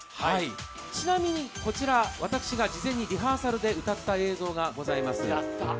ちなみにこちら、私が事前にリハーサルで歌った映像がございます。